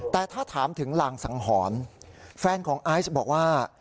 แต่ถ้าถามถึงลางสังหรณ์แฟนของไอซ์บอกว่า